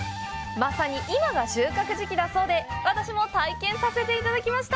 まさに今が収穫時期だそうで、私も体験させていただきました。